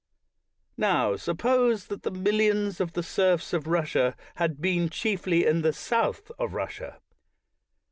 Now, suppose that the mil lions of the serfs of Russia had been chiefly in the south of Russia.